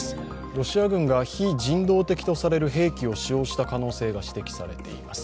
ロシア軍が非人道的とされる兵器を使用した可能性が指摘されています。